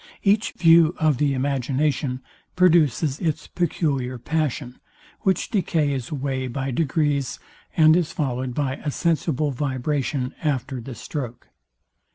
Each view of the imagination produces its peculiar passion, which decays away by degrees, and is followed by a sensible vibration after the stroke.